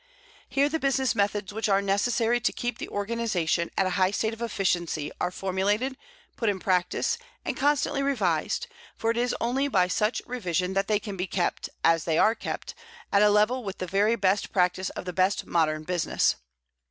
Here the business methods which are necessary to keep the organization at a high state of efficiency are formulated, put in practice, and constantly revised, for it is only by such revision that they can be kept, as they are kept, at a level with the very best practice of the best modern business.